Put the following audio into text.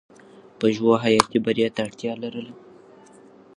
پژو حیاتي بریا ته اړتیا لرله.